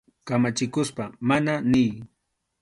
Kamachikuspa «mana» niy.